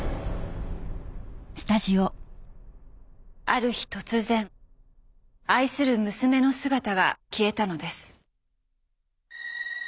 ある日突然愛する娘の姿が消えたのです。